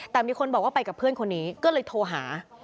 แต่มีคนบอกว่าไปกับเพื่อนคนนี้ก็เลยโทรหา